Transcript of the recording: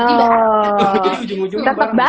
iya jadi ujung ujung